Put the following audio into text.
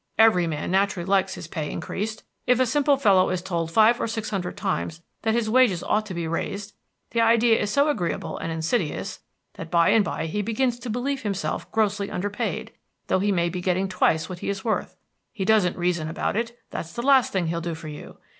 Every man naturally likes his pay increased; if a simple fellow is told five or six hundred times that his wages ought to be raised, the idea is so agreeable and insidious that by and by he begins to believe himself grossly underpaid, though he may be getting twice what he is worth. He doesn't reason about it; that's the last thing he'll do for you.